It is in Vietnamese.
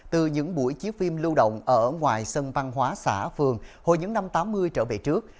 từ những buổi chiếc phim lưu động ở ngoài sân văn hóa xã phường hồi những năm tám mươi trở về trước